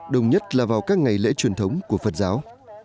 đồng nhất là vào các ngày lễ truyền thống của phật giáo